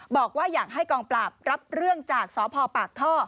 บอกว่าอยากให้กองปราบรับเรื่องจากสพปากท่อ